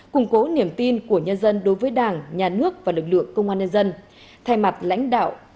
cung cố niềm tin của nhân dân đối với đảng nhà nước và lực lượng công an nhân dân